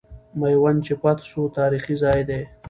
میوند چې فتح سو، تاریخي ځای دی.